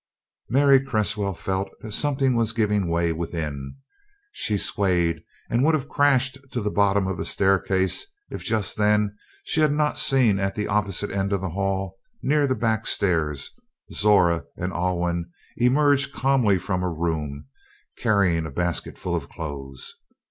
Mary Cresswell felt that something was giving way within. She swayed and would have crashed to the bottom of the staircase if just then she had not seen at the opposite end of the hall, near the back stairs, Zora and Alwyn emerge calmly from a room, carrying a basket full of clothes.